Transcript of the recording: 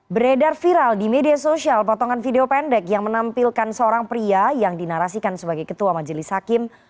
beredar viral di media sosial potongan video pendek yang menampilkan seorang pria yang dinarasikan sebagai ketua majelis hakim